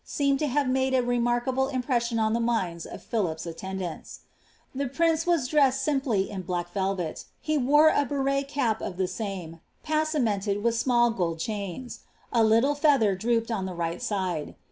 •wein to ha*e made a remarkable impression on the minds of Philip'* aitentlanUt The prince was dressed simply in black velvet ; he wurtt a heml tvf ot the same, passamentcd with small gold chains ; a little feather droopM on the rieht side.